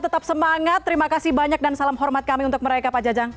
tetap semangat terima kasih banyak dan salam hormat kami untuk mereka pak jajang